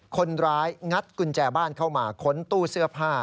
งัดกุญแจบ้านเข้ามาค้นตู้เสื้อผ้า